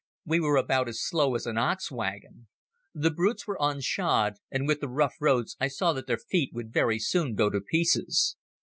We were about as slow as an ox wagon. The brutes were unshod, and with the rough roads I saw that their feet would very soon go to pieces.